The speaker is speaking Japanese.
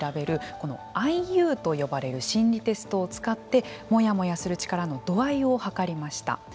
このＩＵと呼ばれる心理テストを使ってモヤモヤする力の度合いを計りました。